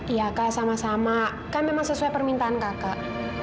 iya kak sama sama kan memang sesuai permintaan kakak